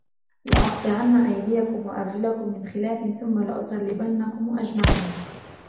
لأقطعن أيديكم وأرجلكم من خلاف ثم لأصلبنكم أجمعين